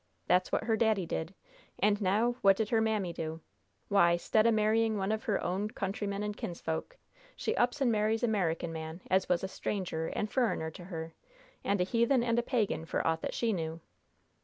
That's what her daddy did! And now, what did her mammy do? Why, 'stead o' marrying of one of her own countrymen and kinsfolks, she ups and marries a 'Merican man as was a stranger and furriner to her; and a heathen and a pagan for aught that she knew."